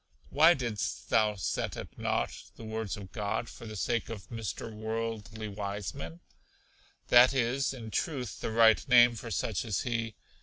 Why didst thou set at nought the words of God, for the sake of Mr. Worldly Wiseman? That is, in truth, the right name for such as he.